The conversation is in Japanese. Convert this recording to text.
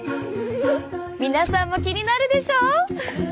皆さんも気になるでしょう？